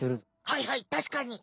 はいはいたしかに！